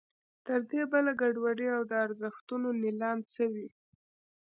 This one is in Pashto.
تر دې بله ګډوډي او د ارزښتونو نېلام څه وي.